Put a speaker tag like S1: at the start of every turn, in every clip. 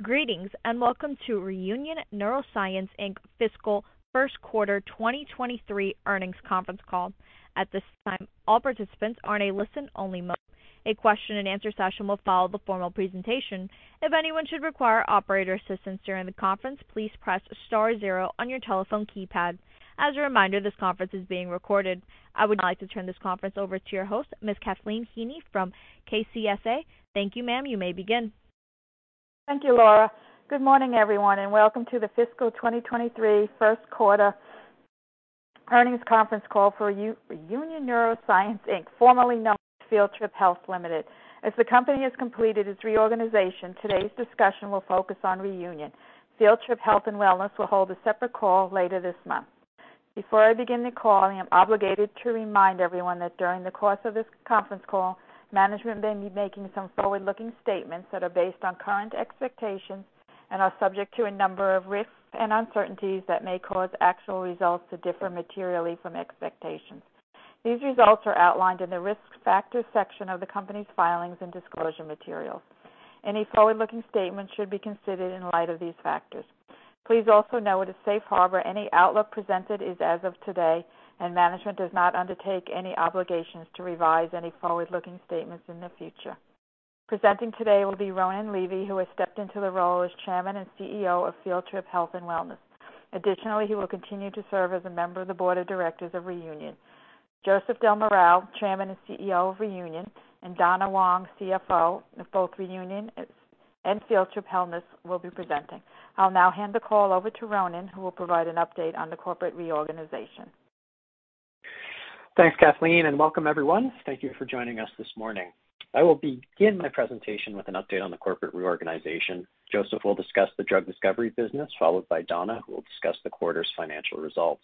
S1: Greetings, welcome to Reunion Neuroscience Inc. fiscal Q1 2023 Earnings Conference Call. At this time, all participants are in a listen only mode. A question and answer session will follow the formal presentation. If anyone should require operator assistance during the conference, please press star zero on your telephone keypad. As a reminder, this conference is being recorded. I would now like to turn this conference over to your host, Ms. Kathleen Heaney from KCSA. Thank you, ma'am. You may begin.
S2: Thank you, Laura. Good morning, everyone, and welcome to the fiscal 2023 Q1 earnings conference call for Reunion Neuroscience Inc., formerly known as Field Trip Health Ltd. As the company has completed its reorganization, today's discussion will focus on Reunion. Field Trip Health & Wellness will hold a separate call later this month. Before I begin the call, I am obligated to remind everyone that during the course of this conference call, management may be making some forward-looking statements that are based on current expectations and are subject to a number of risks and uncertainties that may cause actual results to differ materially from expectations. These results are outlined in the Risk Factors section of the company's filings and disclosure materials. Any forward-looking statements should be considered in light of these factors. Please also know at a safe harbor any outlook presented is as of today, and management does not undertake any obligations to revise any forward-looking statements in the future. Presenting today will be Ronan Levy, who has stepped into the role as Chairman and CEO of Field Trip Health & Wellness. Additionally, he will continue to serve as a member of the board of directors of Reunion. Joseph Del Moral, Chairman and CEO of Reunion, and Donna Wong, CFO of both Reunion and Field Trip Health will be presenting. I'll now hand the call over to Ronan, who will provide an update on the corporate reorganization.
S3: Thanks, Kathleen, and welcome everyone. Thank you for joining us this morning. I will begin my presentation with an update on the corporate reorganization. Joseph will discuss the drug discovery business, followed by Donna, who will discuss the quarter's financial results.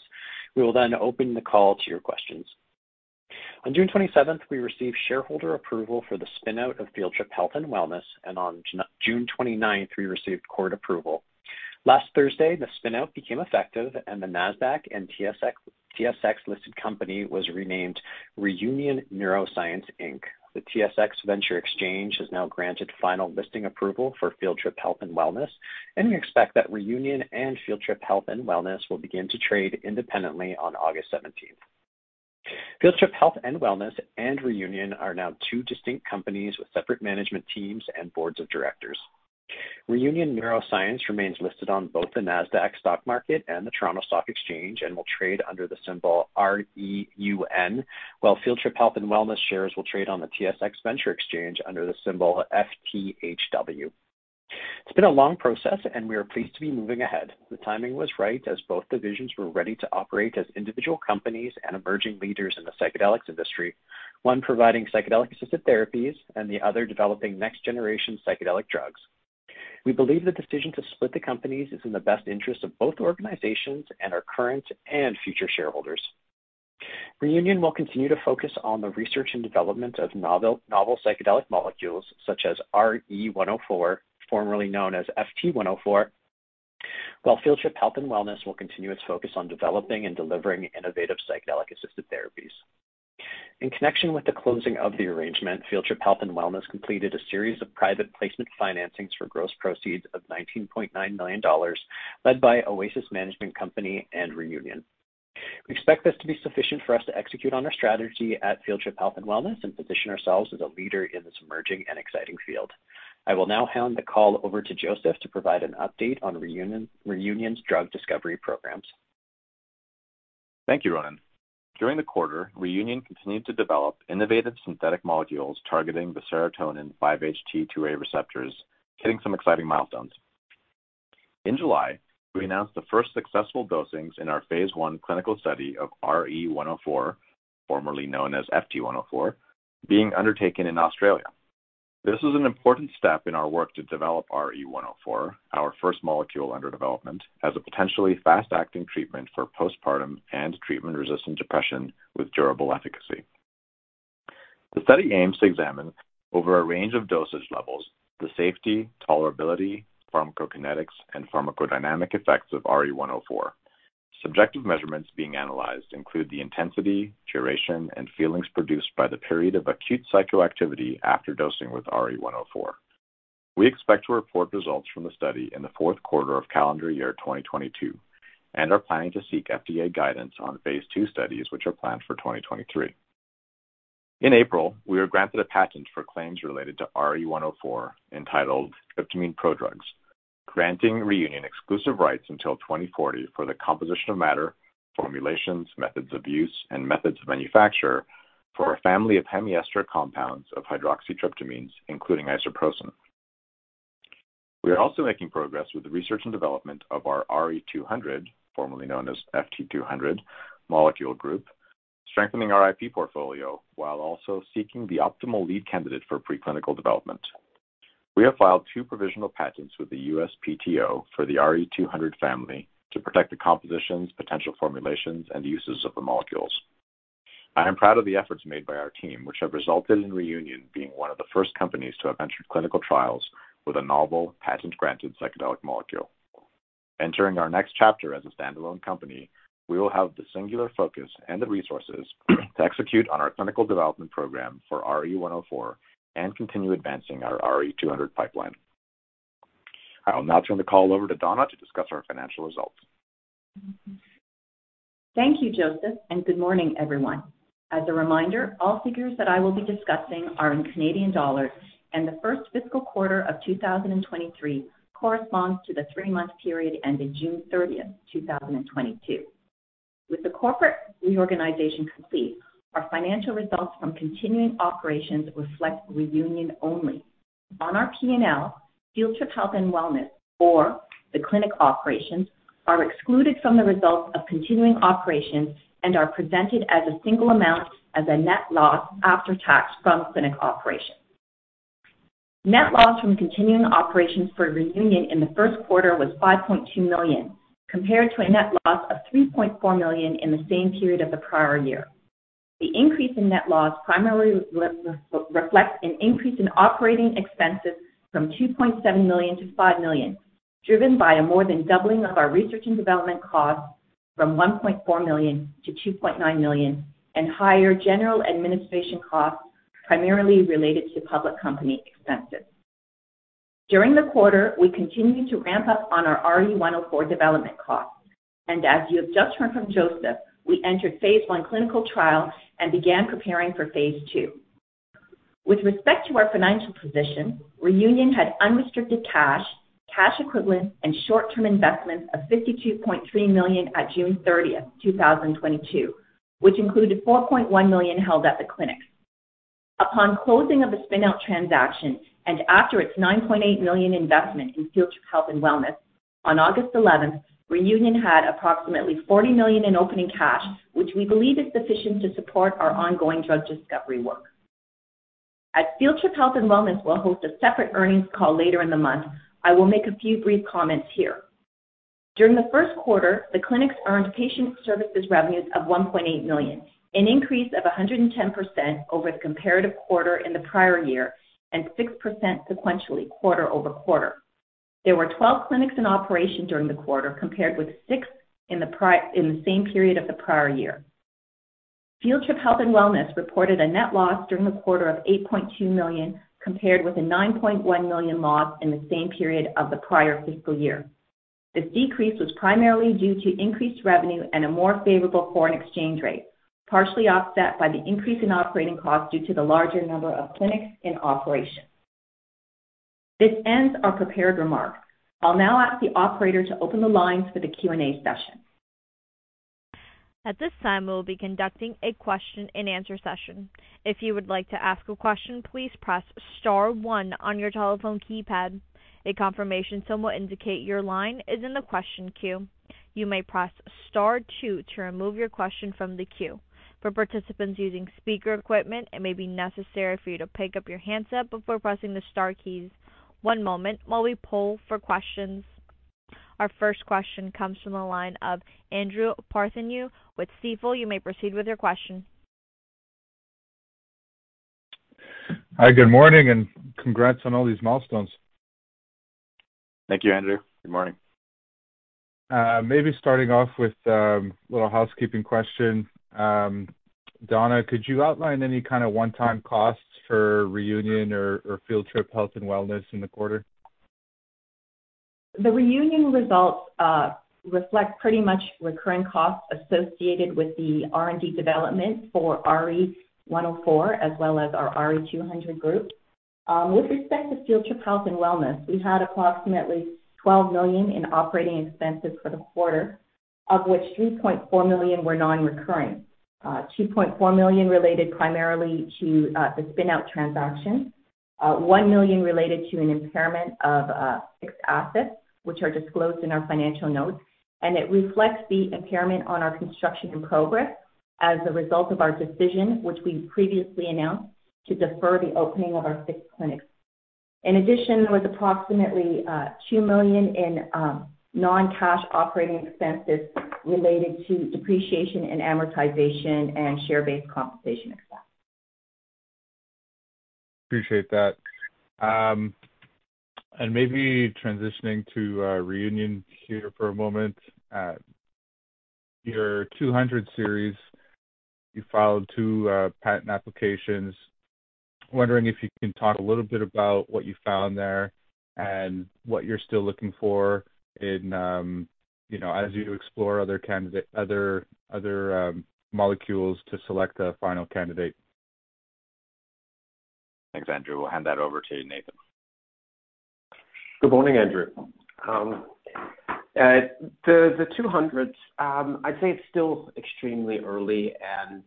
S3: We will then open the call to your questions. On 27 June, we received shareholder approval for the spin-out of Field Trip Health & Wellness, and on 29 June, we received court approval. Last Thursday, the spin-out became effective and the Nasdaq- and TSX-listed company was renamed Reunion Neuroscience Inc. The TSX Venture Exchange has now granted final listing approval for Field Trip Health & Wellness, and we expect that Reunion and Field Trip Health & Wellness will begin to trade independently on August 17th. Field Trip Health & Wellness and Reunion are now two distinct companies with separate management teams and boards of directors. Reunion Neuroscience remains listed on both the Nasdaq stock market and the Toronto Stock Exchange and will trade under the symbol REUN, while Field Trip Health & Wellness shares will trade on the TSX Venture Exchange under the symbol FTHW. It's been a long process, and we are pleased to be moving ahead. The timing was right as both divisions were ready to operate as individual companies and emerging leaders in the psychedelics industry, one providing psychedelic-assisted therapies and the other developing next-generation psychedelic drugs. We believe the decision to split the companies is in the best interest of both organizations and our current and future shareholders. Reunion will continue to focus on the research and development of novel psychedelic molecules such as RE-104, formerly known as FT-104, while Field Trip Health & Wellness will continue its focus on developing and delivering innovative psychedelic-assisted therapies. In connection with the closing of the arrangement, Field Trip Health & Wellness completed a series of private placement financings for gross proceeds of $19.9 million, led by Oasis Management Company and Reunion. We expect this to be sufficient for us to execute on our strategy at Field Trip Health & Wellness and position ourselves as a leader in this emerging and exciting field. I will now hand the call over to Joseph to provide an update on Reunion's drug discovery programs.
S4: Thank you, Ronan. During the quarter, Reunion continued to develop innovative synthetic molecules targeting the serotonin 5-HT2A receptors, hitting some exciting milestones. In July, we announced the first successful dosings in our phase I clinical study of RE-104, formerly known as FT-104, being undertaken in Australia. This is an important step in our work to develop RE-104, our first molecule under development, as a potentially fast-acting treatment for postpartum and treatment-resistant depression with durable efficacy. The study aims to examine over a range of dosage levels the safety, tolerability, pharmacokinetics, and pharmacodynamic effects of RE-104. Subjective measurements being analyzed include the intensity, duration, and feelings produced by the period of acute psychoactivity after dosing with RE-104. We expect to report results from the study in the Q4 of calendar year 2022 and are planning to seek FDA guidance on phase two studies, which are planned for 2023. In April, we were granted a patent for claims related to RE-104 entitled Tryptamine Prodrugs, granting Reunion exclusive rights until 2040 for the composition of matter, formulations, methods of use, and methods of manufacture for a family of hemi-ester compounds of hydroxytryptamines, including isopsilocin. We are also making progress with the research and development of our RE-200, formerly known as FT-200 molecule group, strengthening our IP portfolio while also seeking the optimal lead candidate for preclinical development. We have filed two provisional patents with the USPTO for the RE-200 family to protect the compositions, potential formulations, and uses of the molecules. I am proud of the efforts made by our team, which have resulted in Reunion being one of the first companies to have entered clinical trials with a novel, patent-granted psychedelic molecule. Entering our next chapter as a standalone company, we will have the singular focus and the resources to execute on our clinical development program for RE-104 and continue advancing our RE-200 pipeline. I will now turn the call over to Donna to discuss our financial results.
S5: Thank you, Joseph, and good morning, everyone. As a reminder, all figures that I will be discussing are in Canadian dollars, and the first fiscal quarter of 2023 corresponds to the three-month period ending 30 June, 2022. With the corporate reorganization complete, our financial results from continuing operations reflect Reunion only. On our P&L, Field Trip Health & Wellness, or the clinic operations, are excluded from the results of continuing operations and are presented as a single amount as a net loss after tax from clinic operations. Net loss from continuing operations for Reunion in the Q1 was 5.2 million, compared to a net loss of 3.4 million in the same period of the prior year. The increase in net loss primarily reflects an increase in operating expenses from $2.7 to 5 million, driven by a more than doubling of our research and development costs from $1.4 to 2.9 million and higher general administration costs primarily related to public company expenses. During the quarter, we continued to ramp up on our RE-104 development costs. As you have just heard from Joseph, we entered Phase I clinical trial and began preparing for Phase II. With respect to our financial position, Reunion had unrestricted cash equivalents, and short-term investments of $52.3 million at June 30, 2022, which included $4.1 million held at the clinics. Upon closing of the spin-out transaction and after its $9.8 million investment in Field Trip Health & Wellness on August eleventh, Reunion had approximately $40 million in opening cash, which we believe is sufficient to support our ongoing drug discovery work. As Field Trip Health & Wellness will host a separate earnings call later in the month, I will make a few brief comments here. During the Q1, the clinics earned patient services revenues of $1.8 million, an increase of 110% over the comparative quarter in the prior year and 6% sequentially quarter-over-quarter. There were 12 clinics in operation during the quarter, compared with 6 in the same period of the prior year. Field Trip Health & Wellness reported a net loss during the quarter of 8.2 million, compared with a 9.1 million loss in the same period of the prior fiscal year. This decrease was primarily due to increased revenue and a more favorable foreign exchange rate, partially offset by the increase in operating costs due to the larger number of clinics in operation. This ends our prepared remarks. I'll now ask the operator to open the lines for the Q&A session.
S1: At this time, we will be conducting a question and answer session. If you would like to ask a question, please press star one on your telephone keypad. A confirmation tone will indicate your line is in the question queue. You may press star two to remove your question from the queue. For participants using speaker equipment, it may be necessary for you to pick up your handset before pressing the star keys. One moment while we poll for questions. Our first question comes from the line of Andrew Partheniou with Stifel. You may proceed with your question.
S6: Hi, good morning, and congrats on all these milestones.
S4: Thank you, Andrew. Good morning.
S6: Maybe starting off with a little housekeeping question. Donna, could you outline any kind of one-time costs for Reunion or Field Trip Health & Wellness in the quarter?
S5: The Reunion results reflect pretty much recurring costs associated with the R&D development for RE-104 as well as our RE-200 group. With respect to Field Trip Health & Wellness, we had approximately $12 million in operating expenses for the quarter, of which $3.4 million were non-recurring. $2.4 million related primarily to the spin-out transaction. $1 million related to an impairment of fixed assets which are disclosed in our financial notes. It reflects the impairment on our construction in progress as a result of our decision, which we previously announced, to defer the opening of our fixed clinics. In addition, there was approximately $2 million in non-cash operating expenses related to depreciation and amortization and share-based compensation expense.
S6: Appreciate that. Maybe transitioning to Reunion here for a moment. Your 200 series, you filed 2 patent applications. Wondering if you can talk a little bit about what you found there and what you're still looking for in, you know, as you explore other molecules to select a final candidate?
S4: Thanks, Andrew. We'll hand that over to Nathan.
S7: Good morning, Andrew. The two hundreds, I'd say it's still extremely early and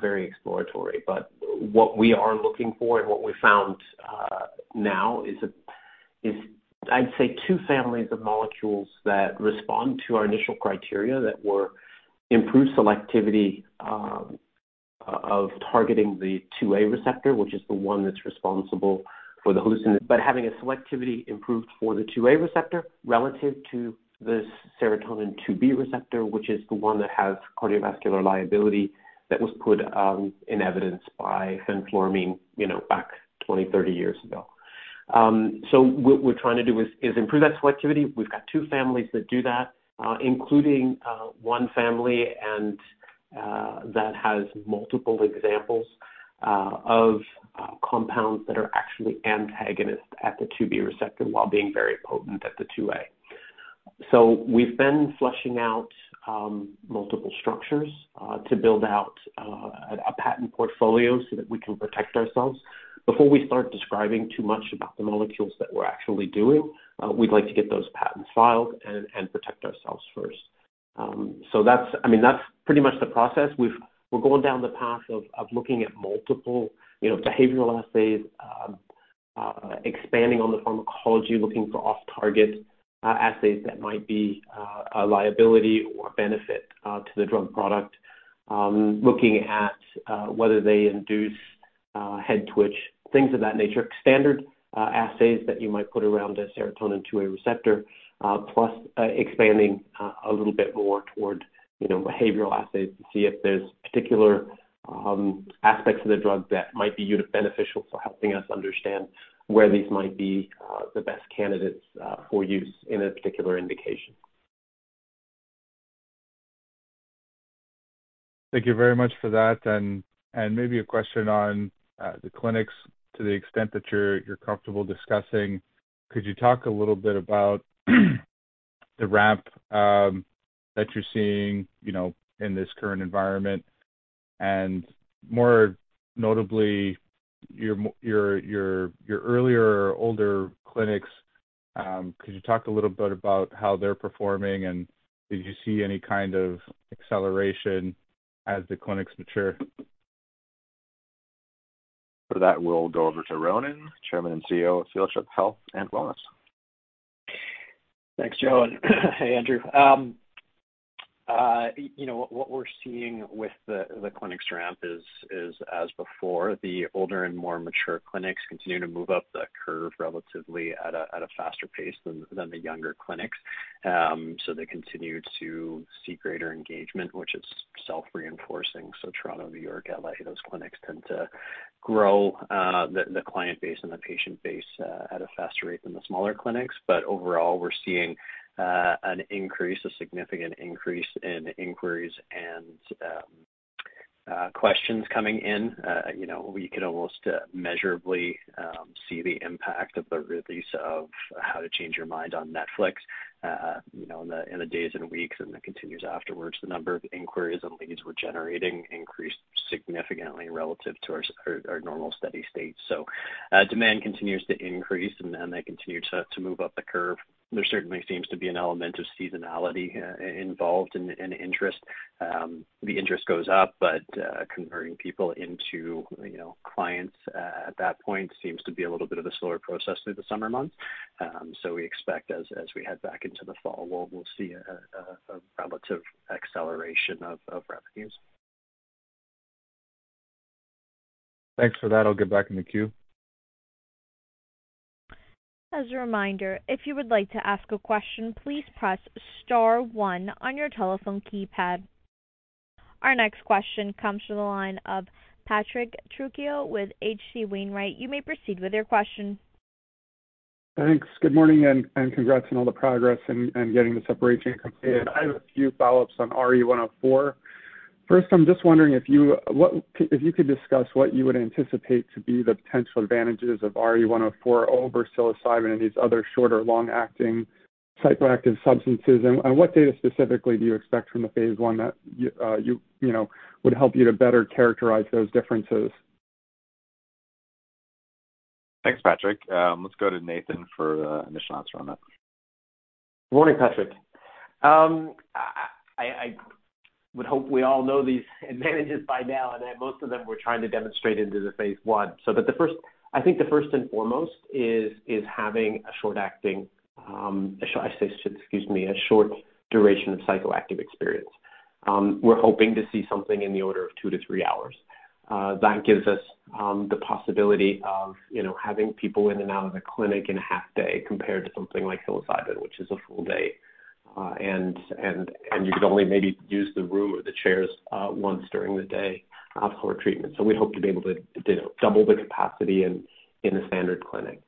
S7: very exploratory, but what we are looking for and what we found now is I'd say two families of molecules that respond to our initial criteria that were improved selectivity of targeting the 2A receptor, which is the one that's responsible for the but having a selectivity improved for the 2A receptor relative to the serotonin 2B receptor, which is the one that has cardiovascular liability that was put in evidence by fenfluramine, you know, back 20, 30 years ago. What we're trying to do is improve that selectivity. We've got two families that do that, including one family. That has multiple examples of compounds that are actually antagonists at the 2B receptor while being very potent at the 2A. We've been fleshing out multiple structures to build out a patent portfolio so that we can protect ourselves. Before we start describing too much about the molecules that we're actually doing, we'd like to get those patents filed and protect ourselves first. I mean, that's pretty much the process. We're going down the path of looking at multiple, you know, behavioral assays, expanding on the pharmacology, looking for off target assays that might be a liability or benefit to the drug product. Looking at whether they induce head twitch, things of that nature. Standard assays that you might put around a serotonin 2A receptor, plus expanding a little bit more toward, you know, behavioral assays to see if there's particular aspects of the drug that might be uniquely beneficial for helping us understand where these might be the best candidates for use in a particular indication.
S6: Thank you very much for that. Maybe a question on the clinics to the extent that you're comfortable discussing. Could you talk a little bit about the ramp that you're seeing, you know, in this current environment, and more notably your earlier or older clinics, could you talk a little bit about how they're performing, and did you see any kind of acceleration as the clinics mature?
S4: For that, we'll go over to Ronan, Chairman and CEO of Field Trip Health & Wellness.
S3: Thanks, Joe. Hey, Andrew. You know, what we're seeing with the clinics ramp is as before. The older and more mature clinics continue to move up the curve relatively at a faster pace than the younger clinics. They continue to seek greater engagement, which is self-reinforcing. Toronto, New York, L.A., those clinics tend to grow the client base and the patient base at a faster rate than the smaller clinics. Overall, we're seeing an increase, a significant increase in inquiries and questions coming in. You know, we could almost measurably see the impact of the release of How to Change Your Mind on Netflix, you know, in the days and weeks, and it continues afterwards. The number of inquiries and leads we're generating increased significantly relative to our normal steady state. Demand continues to increase, and then they continue to move up the curve. There certainly seems to be an element of seasonality involved in interest. The interest goes up, but converting people into, you know, clients at that point seems to be a little bit of a slower process through the summer months. We expect as we head back into the fall, we'll see a relative acceleration of revenues.
S6: Thanks for that. I'll get back in the queue.
S1: As a reminder, if you would like to ask a question, please press star one on your telephone keypad. Our next question comes from the line of Patrick Trucchio with H.C. Wainwright & Co. You may proceed with your question.
S8: Thanks. Good morning, congrats on all the progress and getting this operation completed. I have a few follow-ups on RE-104. First, I'm just wondering if you could discuss what you would anticipate to be the potential advantages of RE-104 over psilocybin and these other short or long-acting psychoactive substances, and what data specifically do you expect from the Phase I that you know would help you to better characterize those differences?
S4: Thanks, Patrick. Let's go to Nathan for the initial answer on that.
S7: Morning, Patrick. I would hope we all know these advantages by now, and most of them we're trying to demonstrate in the Phase I. But the first and foremost is having a short duration of psychoactive experience. We're hoping to see something in the order of two to three hours. That gives us the possibility of, you know, having people in and out of the clinic in a half day compared to something like psilocybin, which is a full day. You could only maybe use the room or the chairs once during the day for treatment. We hope to be able to, you know, double the capacity in a standard clinic.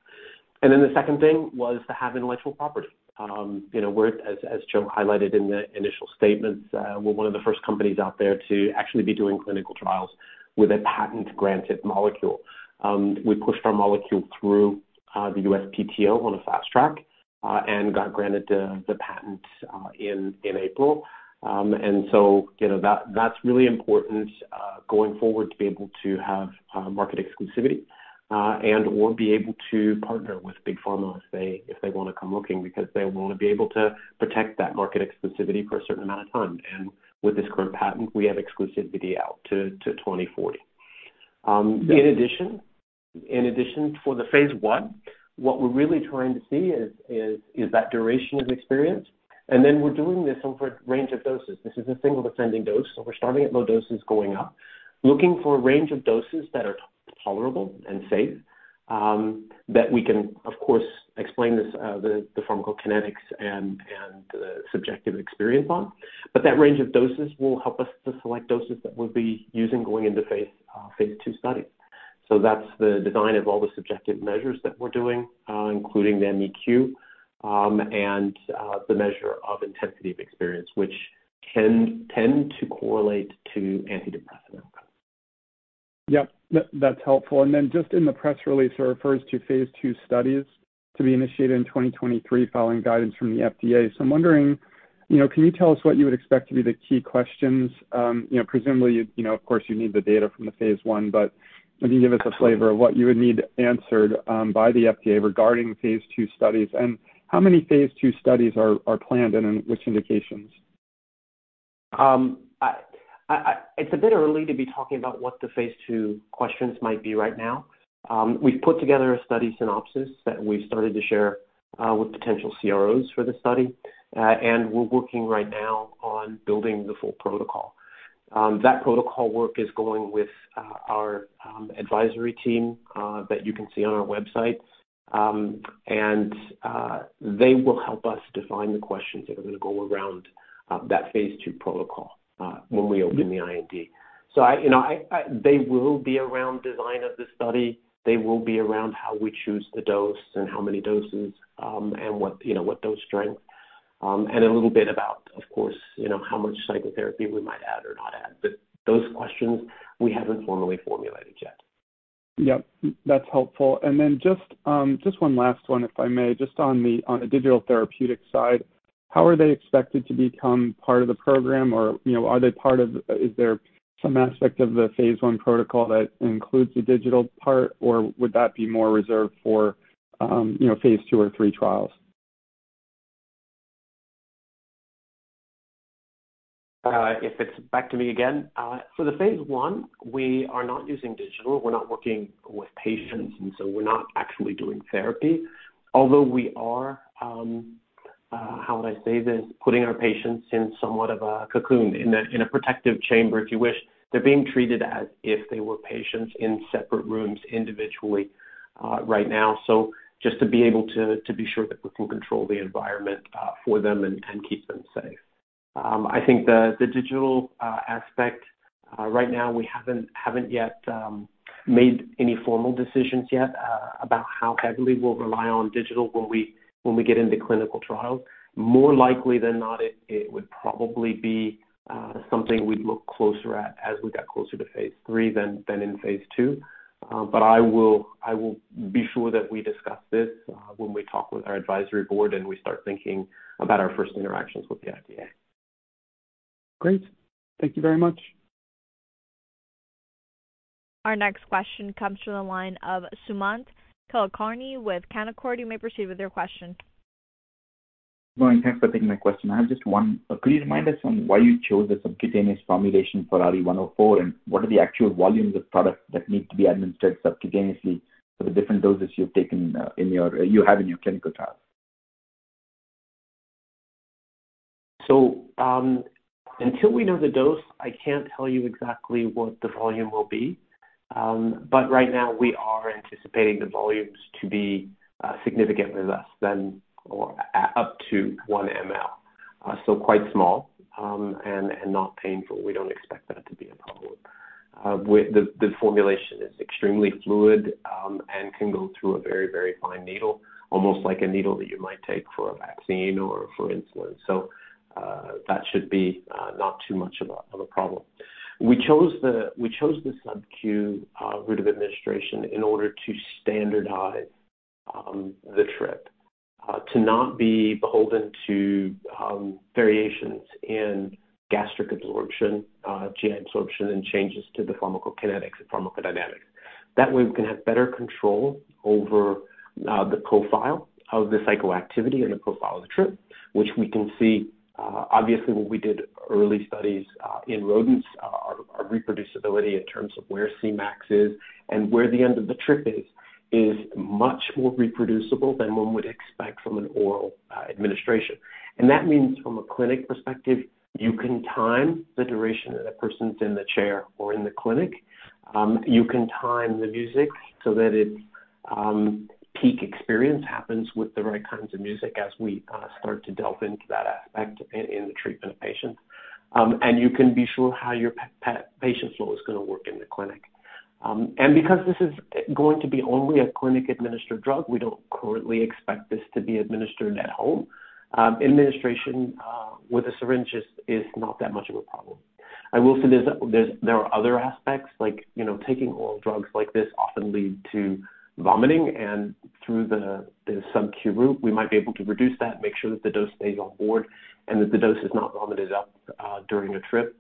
S7: The second thing was to have intellectual property. You know, we're as Joe highlighted in the initial statements, we're one of the first companies out there to actually be doing clinical trials with a patent granted molecule. We pushed our molecule through the USPTO on a fast track and got granted the patent in April. You know, that's really important going forward to be able to have market exclusivity and/or be able to partner with Big Pharma if they wanna come looking because they wanna be able to protect that market exclusivity for a certain amount of time. With this current patent, we have exclusivity out to 2040. In addition, for the phase one, what we're really trying to see is that duration of experience, and then we're doing this over a range of doses. This is a single ascending dose. We're starting at low doses going up, looking for a range of doses that are tolerable and safe, that we can of course explain the pharmacokinetics and subjective experience. But that range of doses will help us to select doses that we'll be using going into phase two studies. That's the design of all the subjective measures that we're doing, including the MEQ, and the measure of intensity of experience, which can tend to correlate to antidepressant outcomes.
S8: That's helpful. Then just in the press release, it refers to Phase II studies to be initiated in 2023 following guidance from the FDA. I'm wondering, you know, can you tell us what you would expect to be the key questions? You know, presumably, you know, of course, you need the data from the Phase I, but can you give us a flavor of what you would need answered by the FDA regarding Phase II studies and how many Phase II studies are planned and in which indications?
S7: It's a bit early to be talking about what the Phase II questions might be right now. We've put together a study synopsis that we've started to share with potential CROs for the study. We're working right now on building the full protocol. That protocol work is going with our advisory team that you can see on our websites. They will help us define the questions that are gonna go around that Phase II protocol when we open the IND. You know, they will be around design of the study. They will be around how we choose the dose and how many doses, and what, you know, what dose strength, and a little bit about, of course, you know, how much psychotherapy we might add or not add. Those questions we haven't formally formulated yet.
S8: That's helpful. Just one last one, if I may. Just on the digital therapeutic side, how are they expected to become part of the program? Or, you know, is there some aspect of the phase one protocol that includes the digital part, or would that be more reserved for, you know, phase two or three trials?
S7: If it's back to me again. For the Phase I, we are not using digital. We're not working with patients, and so we're not actually doing therapy. Although we are, how would I say this? Putting our patients in somewhat of a cocoon, in a protective chamber, if you wish. They're being treated as if they were patients in separate rooms individually right now. Just to be able to be sure that we can control the environment for them and keep them safe. I think the digital aspect right now, we haven't yet made any formal decisions yet about how heavily we'll rely on digital when we get into clinical trials. More likely than not, it would probably be something we'd look closer at as we got closer to Phase III than in Phase II. I will be sure that we discuss this when we talk with our advisory board and we start thinking about our first interactions with the FDA.
S8: Great. Thank you very much.
S1: Our next question comes from the line of Sumant Kulkarni with Canaccord. You may proceed with your question.
S9: Good morning. Thanks for taking my question. I have just one. Could you remind us on why you chose the subcutaneous formulation for RE-104, and what are the actual volumes of product that need to be administered subcutaneously for the different doses you've taken in your clinical trials?
S7: Until we know the dose, I can't tell you exactly what the volume will be. Right now, we are anticipating the volumes to be significantly less than or up to 1 mL. Quite small, and not painful. We don't expect that to be a problem. The formulation is extremely fluid, and can go through a very fine needle, almost like a needle that you might take for a vaccine or for insulin. That should be not too much of a problem. We chose the subQ route of administration in order to standardize the trip. To not be beholden to variations in gastric absorption, GI absorption, and changes to the pharmacokinetics and pharmacodynamics. That way, we can have better control over the profile of the psychoactivity and the profile of the trip, which we can see. Obviously, when we did early studies in rodents, our reproducibility in terms of where Cmax is and where the end of the trip is much more reproducible than one would expect from an oral administration. That means from a clinic perspective, you can time the duration that a person's in the chair or in the clinic. You can time the music so that its peak experience happens with the right kinds of music as we start to delve into that aspect in the treatment of patients. You can be sure how your patient flow is gonna work in the clinic. Because this is going to be only a clinic-administered drug, we don't currently expect this to be administered at home. Administration with a syringe is not that much of a problem. I will say there are other aspects like, you know, taking oral drugs like this often lead to vomiting. Through the subQ route, we might be able to reduce that, make sure that the dose stays on board, and that the dose is not vomited up during a trip.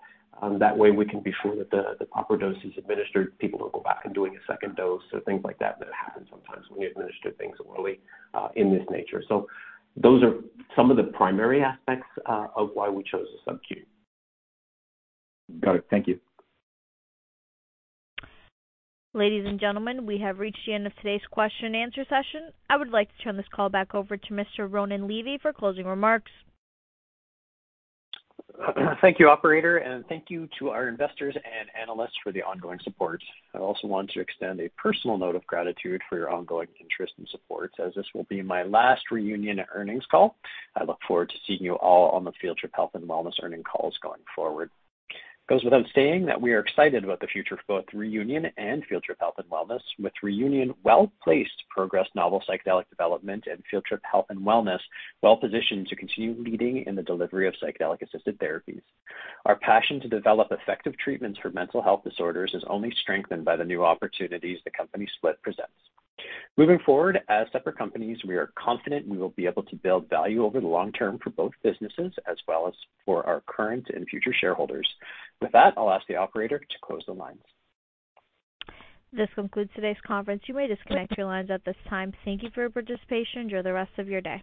S7: That way, we can be sure that the proper dose is administered. People don't go back and doing a second dose or things like that that happen sometimes when we administer things orally in this nature. Those are some of the primary aspects of why we chose the subQ.
S9: Got it. Thank you.
S1: Ladies and gentlemen, we have reached the end of today's question and answer session. I would like to turn this call back over to Mr. Ronan Levy for closing remarks.
S3: Thank you, operator, and thank you to our investors and analysts for the ongoing support. I also want to extend a personal note of gratitude for your ongoing interest and support, as this will be my last Reunion earnings call. I look forward to seeing you all on the Field Trip Health & Wellness earnings calls going forward. It goes without saying that we are excited about the future of both Reunion and Field Trip Health & Wellness, with Reunion well-placed to progress novel psychedelic development and Field Trip Health & Wellness well-positioned to continue leading in the delivery of psychedelic-assisted therapies. Our passion to develop effective treatments for mental health disorders is only strengthened by the new opportunities the company split presents. Moving forward as separate companies, we are confident we will be able to build value over the long term for both businesses as well as for our current and future shareholders. With that, I'll ask the operator to close the lines.
S1: This concludes today's conference. You may disconnect your lines at this time. Thank you for your participation. Enjoy the rest of your day.